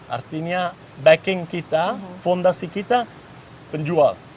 artinya backing kita fondasi kita penjual